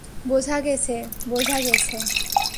বোঝা গেছে, বোঝা গেছে।